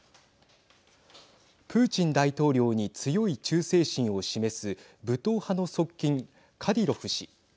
プーチン大統領に強い忠誠心を示す武闘派の側近カディロフ氏。